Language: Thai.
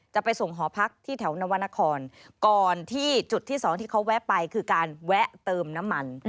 จะไปส่งหอพักที่แถวนวรรณครก่อนที่จุดที่สองที่เขาแวะไปคือการแวะเติมน้ำมัน